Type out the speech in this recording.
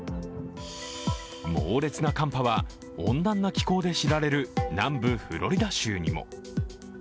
猛烈な寒波は、温暖な気候で知られる南部フロリダ州にも。